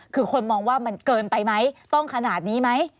คือคนมองว่ามันเกินไปไหมต้องขนาดนี้ไหม